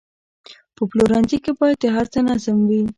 په پلورنځي کې باید د هر څه نظم وي.